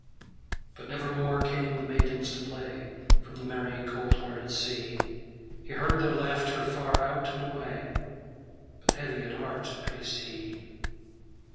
But never more came the maidens to play From the merry cold hearted sea; He heard their laughter far out and away, But heavy at heart paced he.